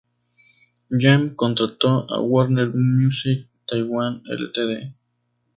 Jam contrató a Warner Music Taiwan Ltd.